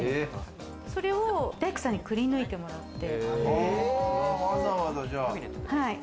それを大工さんにくり抜いてもらって。